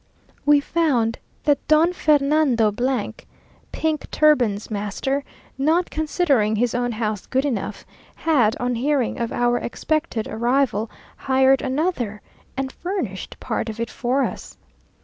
We found that Don Fernando , pink turban's master, not considering his own house good enough, had, on hearing of our expected arrival, hired another, and furnished part of it for us!